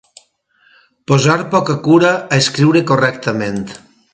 Posar poca cura a escriure correctament.